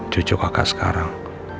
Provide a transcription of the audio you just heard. cucu kakak sekarang